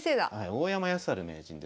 大山康晴名人ですね。